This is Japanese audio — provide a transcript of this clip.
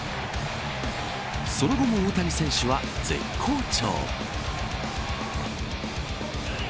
その後も、大谷選手は絶好調。